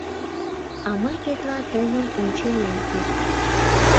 А мый тетла тыйым ончен ом керт.